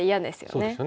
そうですよね。